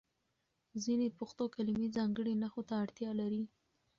ځینې پښتو کلمې ځانګړي نښو ته اړتیا لري.